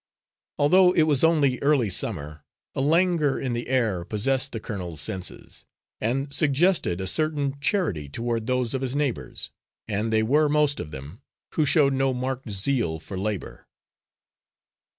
Although it was only early summer, a languor in the air possessed the colonel's senses, and suggested a certain charity toward those of his neighbours and they were most of them who showed no marked zeal for labour.